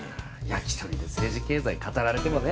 焼き鳥で政治経済語られてもねえ。